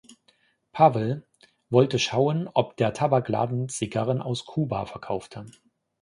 Pavel wollte schauen ob der Tabakladen Zigarren aus Kuba verkaufte.